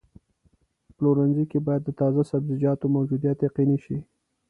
په پلورنځي کې باید د تازه سبزیجاتو موجودیت یقیني شي.